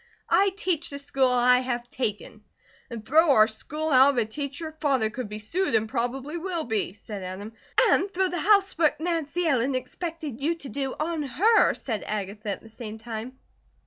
I teach the school I have taken." "And throw our school out of a teacher? Father could be sued, and probably will be," said Adam. "And throw the housework Nancy Ellen expected you to do on her," said Agatha, at the same time.